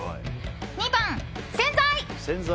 ２番、洗剤。